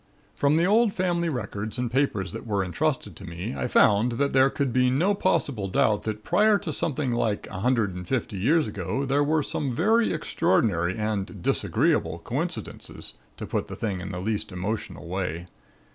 "From the old family records and papers that were entrusted to me I found that there could be no possible doubt that prior to something like a hundred and fifty years ago there were some very extraordinary and disagreeable coincidences, to put the thing in the least emotional way.